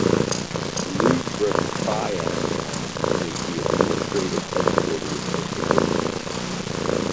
Rudraprayag town is the administrative headquarters of the district.